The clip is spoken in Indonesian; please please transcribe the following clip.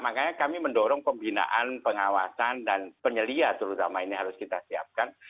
makanya kami mendorong pembinaan pengawasan dan penyelia terutama ini harus kita siapkan